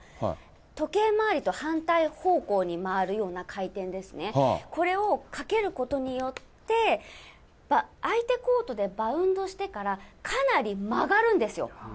時計回りと反対方向に回るような回転ですね、これをかけることによって、相手コートでバウンドしてから、かなり曲がるんですよ。